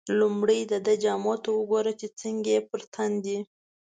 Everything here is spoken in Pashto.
لومړی دده جامو ته وګوره چې څنګه یې پر تن دي.